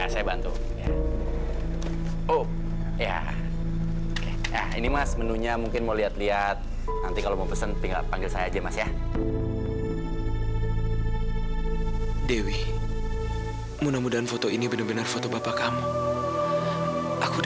sampai jumpa di video selanjutnya